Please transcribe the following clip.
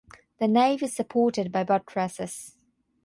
The nave is supported by buttresses.